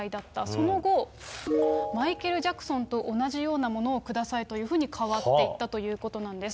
その後、マイケル・ジャクソンと同じようなものをくださいというふうに変わっていったということなんです。